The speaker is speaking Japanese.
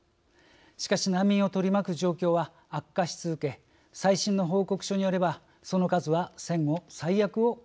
しかし難民を取り巻く状況は悪化し続け最新の報告書によればその数は戦後最悪を更新しました。